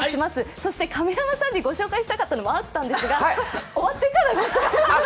そして神山さんにご紹介したかったのもあったんですが分かりました！